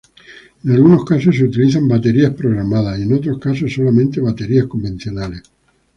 En algunos casos, se utilizan baterías programadas, y en otros casos, solamente baterías convencionales.